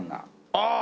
ああ！